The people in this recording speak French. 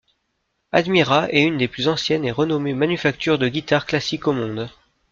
Admira est une des plus anciennes et renommées manufactures de guitares classiques au monde.